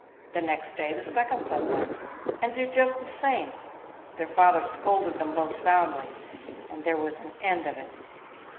The next day the second son went, and did just the same. Their father scolded them both soundly, and there was an end of it.